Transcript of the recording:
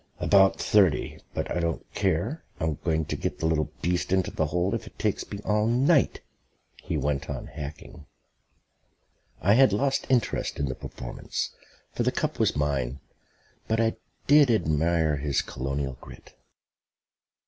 "About thirty. But I don't care, I'm going to get the little beast into the hole if it takes me all night." He went on hacking. I had lost interest in the performance, for the cup was mine, but I did admire his Colonial grit.